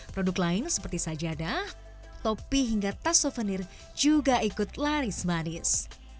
produk lain seperti sajadah topi hingga tas souvenir juga ikut laris manis